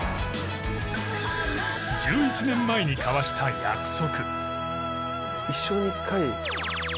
１１年前に交わした約束。